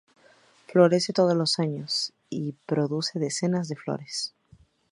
Florece todos los años y produce decenas de flores.